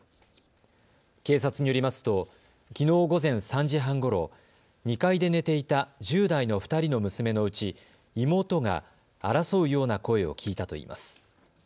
警察によりますときのう午前３時半ごろ２階で寝ていた１０代の２人の娘のうち妹が争うような声を聞いたといいます。